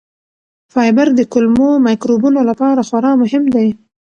فایبر د کولمو مایکروبونو لپاره خورا مهم دی.